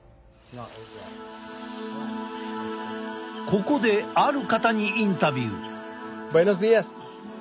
ここである方にインタビュー。